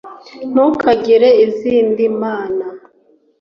ntukagire izindi mana